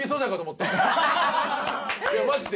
いやマジで。